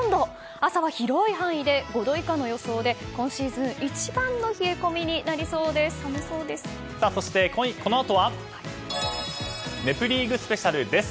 朝は広い範囲で５度以下の予想で今シーズン一番の冷え込みになりそうです。